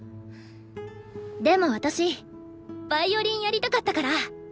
でも私ヴァイオリンやりたかったから。